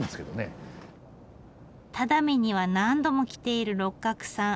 只見には何度も来ている六角さん。